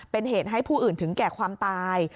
เป็นเหตุให้ผู้อื่นถึงแก่ความตาย